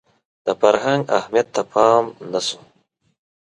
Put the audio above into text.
د فرهنګ اهمیت ته پام نه شو